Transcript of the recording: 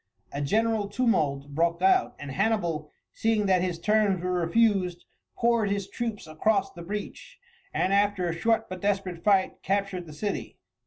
A general tumult broke out, and Hannibal, seeing that his terms were refused, poured his troops across the breach, and after a short but desperate fight captured the city.